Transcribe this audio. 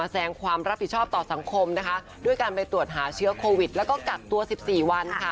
สำหรับสังคมด้วยการไปตรวจหาเชื้อโควิดและก็จัดตัว๑๔วัน